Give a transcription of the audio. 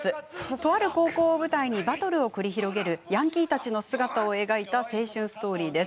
とある高校を舞台にバトルを繰り広げるヤンキーたちの姿を描いた青春ストーリーです。